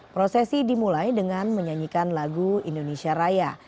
prosesi dimulai dengan menyanyikan lagu indonesia raya